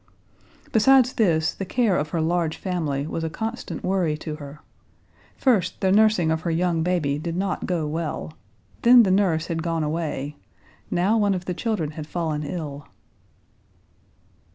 Besides this, the care of her large family was a constant worry to her: first, the nursing of her young baby did not go well, then the nurse had gone away, now one of the children had fallen ill.